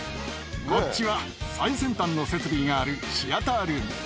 こっちは最先端の設備があるシアタールーム。